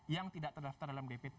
yang tidak terdaftar dalam dpt